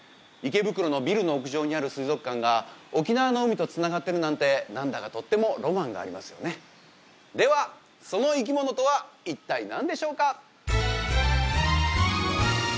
池袋のビルの屋上にある水族館が沖縄の海とつながってるなんて何だかとってもロマンがありますよねではその生き物とは一体何でしょうか？